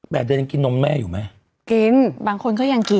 เดือนยังกินนมแม่อยู่ไหมกินบางคนก็ยังกิน